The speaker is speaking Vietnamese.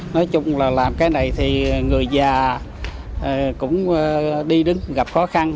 nói chung là làm cái này thì người già cũng đi gặp khó khăn